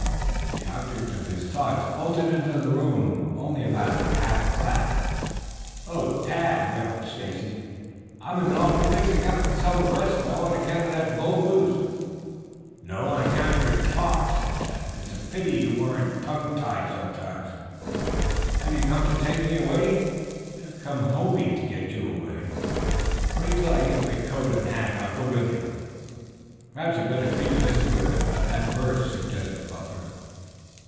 The object of his thoughts bolted into the room only about half clad. "Oh, Tad!" wailed Stacy. "I'm in an awful fix! I've got myself arrested, all on account of that bull moose." "No. On account of your talk. It's a pity you aren't tongue tied sometimes." "Have you come to take me away?" "I have come hoping to get you away." "Wait till I get my coat and hat and I'll go with you." "Perhaps you had better speak to Mr. Whitman about that first," suggested Butler.